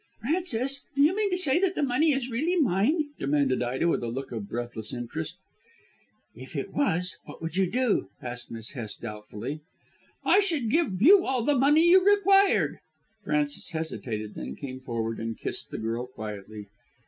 "Frances, do you mean to say that the money is really mine?" demanded Ida with a look of breathless interest. "If it was, what would you do?" asked Miss Hest doubtfully. "I should give you all the money you required." Frances hesitated, then came forward and kissed the girl quietly.